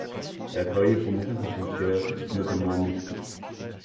Elle a travaillé pour Médecins sans frontières, notamment à Moscou.